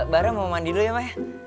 bar mau mandi dulu ya ma